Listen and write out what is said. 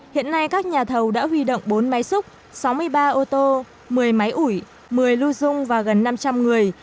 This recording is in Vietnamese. hiện nay các nhà thầu đã huy động bốn máy xúc sáu mươi ba ô tô một mươi máy ủi một mươi lưu dung và gần năm trăm linh người